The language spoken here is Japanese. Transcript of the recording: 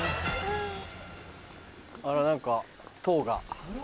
あら何か塔が。